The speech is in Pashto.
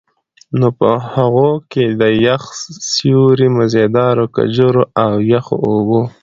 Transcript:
نو په هغو کي د يخ سيُوري، مزيدارو کجورو، او يخو اوبو